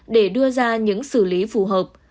để đưa ra những xử lý phù hợp